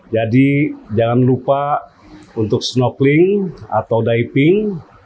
jadi jangan lupa untuk snorkeling atau diving